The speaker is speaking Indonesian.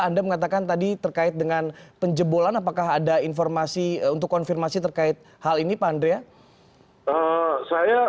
anda mengatakan tadi terkait dengan penjebolan apakah ada informasi untuk konfirmasi terkait hal ini pak andrea